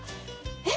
えっ？